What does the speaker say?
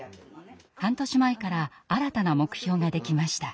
半年前から新たな目標ができました。